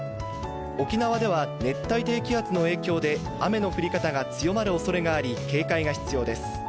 沖縄では熱帯低気圧の影響で雨の降り方が強まる恐れがあり、警戒が必要です。